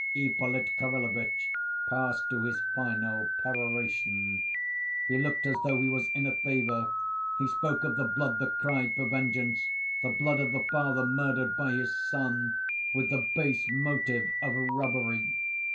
Ippolit Kirillovitch passed to his final peroration. He looked as though he was in a fever, he spoke of the blood that cried for vengeance, the blood of the father murdered by his son, with the base motive of robbery!